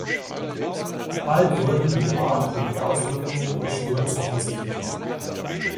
Bald wurden die Art und die Auswirkungen des Sturms offensichtlich.